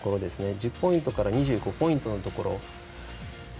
１０ポイントから２５ポイントのところ。